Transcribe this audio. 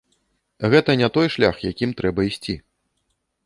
Гэта не той шлях, якім трэба ісці.